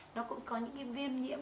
nó cũng có những cái viêm nhiễm